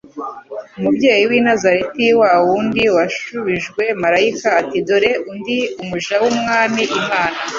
umubyeyi w'i Nazareti, wa wundi washubije Marayika ati, '' Dore ndi umuja w'Umwami Imana,